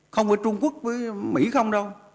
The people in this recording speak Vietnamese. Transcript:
không với trung quốc với mỹ không đâu